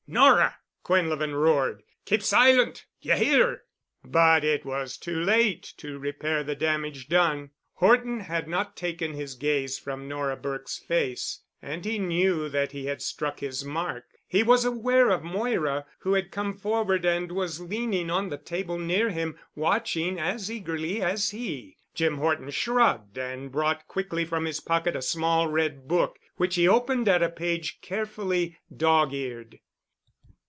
"Nora!" Quinlevin roared. "Keep silent, d'ye hear?" But it was too late to repair the damage done. Horton had not taken his gaze from Nora Burke's face, and he knew that he had struck his mark. He was aware of Moira, who had come forward and was leaning on the table near him, watching as eagerly as he. Jim Horton shrugged and brought quickly from his pocket a small red book, which he opened at a page carefully dog cared.